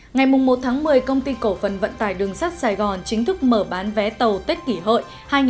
ngày một một mươi công ty cổ phận vận tài đường sát sài gòn chính thức mở bán vé tàu tết kỷ hội hai nghìn một mươi chín